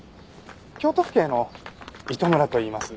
京都府警の糸村といいます。